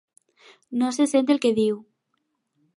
No se sent el que diu.